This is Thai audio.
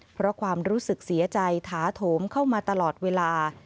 เพราะความรู้สึกเสียใจถาโถมเข้ามาตลอดเวลา